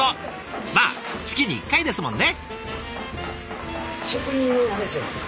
まあ月に１回ですもんね。